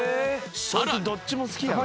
［さらに］